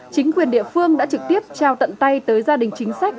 chính quyền địa phương đã trực tiếp trao tận tay tới gia đình chính sách